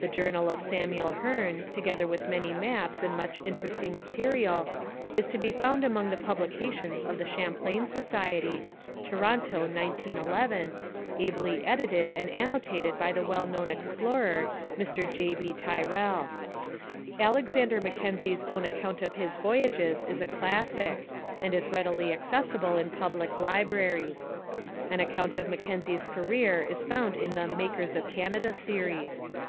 The journal of Samuel Hearne, together with many maps and much interesting material, is to be found among the publications of the Champlain Society, (Toronto, 1911) ably edited and annotated by the well known explorer Mr J. B. Tyrrell. Alexander Mackenzie's own account of his voyages is a classic, and is readily accessible in public libraries. An account of Mackenzie's career is found in the 'Makers of Canada' series.